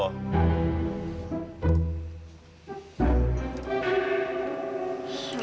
aduh rizky ini kan